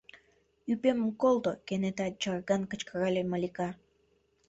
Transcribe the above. — Ӱпемым колто! — кенета чарган кычкырале Малика.